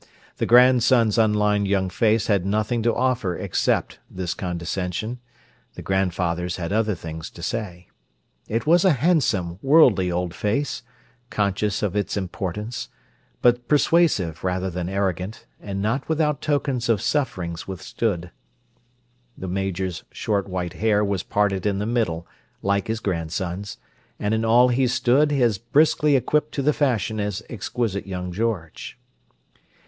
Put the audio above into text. The grandson's unlined young face had nothing to offer except this condescension; the grandfather's had other things to say. It was a handsome, worldly old face, conscious of its importance, but persuasive rather than arrogant, and not without tokens of sufferings withstood. The Major's short white hair was parted in the middle, like his grandson's, and in all he stood as briskly equipped to the fashion as exquisite young George.